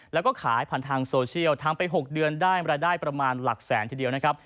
แล้วก็ขายผ่านทางโซเชียลทำไป๖เดือนได้รายได้ประมาณหลักแสนทีเดียวนะครับ